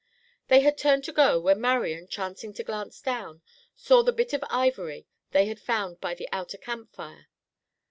They had turned to go, when Marian, chancing to glance down, saw the bit of ivory they had found by the outer camp fire.